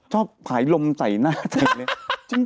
ชอบผายลมใส่หน้าใส่เลย